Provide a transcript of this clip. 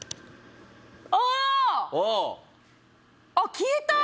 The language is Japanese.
消えた？